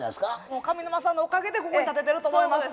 もう上沼さんのおかげでここに立ててると思います。